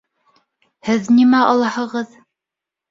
Һеҙ нимә алаһығыҙ?